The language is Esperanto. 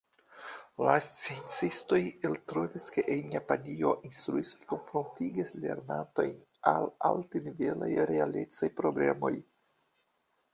La sciencistoj eltrovis, ke en Japanio instruistoj konfrontigas lernantojn al altnivelaj realecaj problemoj.